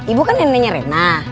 ibu kan neneknya rena